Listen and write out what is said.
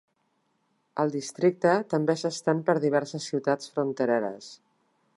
El districte també s'estén per diverses ciutats frontereres.